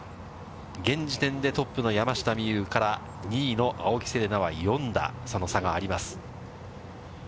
現時点でトップの山下美夢有から、２位の青木瀬令奈は４打、その差があります。